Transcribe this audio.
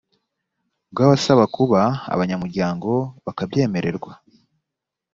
bw abasaba kuba abanyamuryango bakabyemererwa